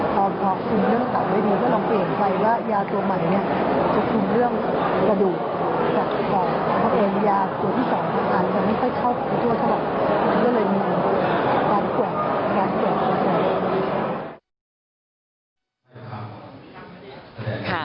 เพราะพอคุณเรื่องตัวได้ดีก็ลองเปลี่ยนไปว่ายาตัวใหม่เนี่ยจะคุณเรื่องกระดูกแบบผอมถ้าเป็นยาตัวที่สองอาจจะไม่ค่อยเข้าภูมิด้วยฉะนั้นมันก็เลยมีการแกวะงานแกวะกัน